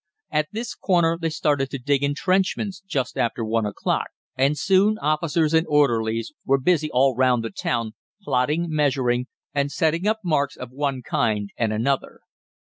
At this corner they started to dig entrenchments just after one o'clock, and soon officers and orderlies were busy all round the town, plotting, measuring, and setting up marks of one kind and another.